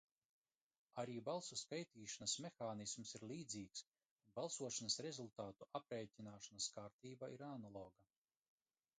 Arī balsu skaitīšanas mehānisms ir līdzīgs, un balsošanas rezultātu aprēķināšanas kārtība ir analoga.